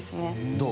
どう？